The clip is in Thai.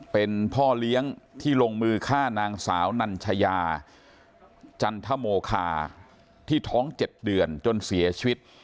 เป็นพ่อเลี้ยงที่ลงมือฆ่านางสาวนัญชยาจันทโมคาที่ท้อง๗เดือนจนเสียชีวิต